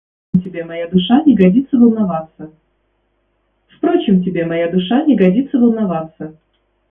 Впрочем, тебе, моя душа, не годится волноваться.